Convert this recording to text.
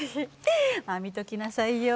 まあ見ときなさいよ。